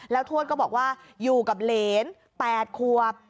แล้วทวดก็บอกว่าอยู่กับเหรน๘ควบ